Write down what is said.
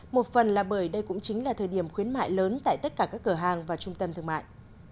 một phần là bởi đây cũng chính là thời điểm khuyến mại lớn tại tất cả các cửa hàng và trung tâm thương mại